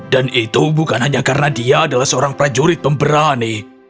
dan itu bukan hanya karena dia adalah seorang prajurit pemberani